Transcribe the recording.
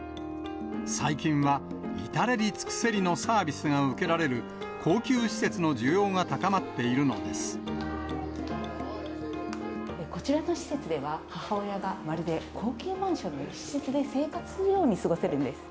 最近は至れり尽くせりのサービスが受けられる、高級施設の需要がこちらの施設では、母親がまるで高級マンションの一室で生活するように過ごせるんです。